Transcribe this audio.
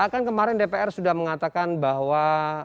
kan kemarin dpr sudah mengatakan bahwa